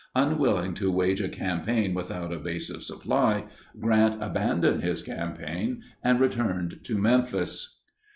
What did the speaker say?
Unwilling to wage a campaign without a base of supply, Grant abandoned his campaign and returned to Memphis.